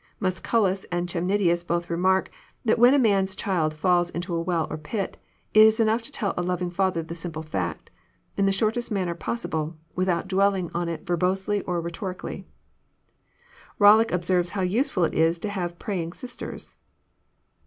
Musculus and Chemnitius both remark, that when a man's child falls into a well or pit, it is enough to tell a loving father the simple fact, in the shortest manner possible, without dwell ing on it verbosely and rhetorically. Bollock observes how useful it is to have praying sisters.